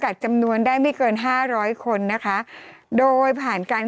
แต่ว่าไม่ได้ให้มีเท่าไหร่เข้าไปเท่านั้นเนาะ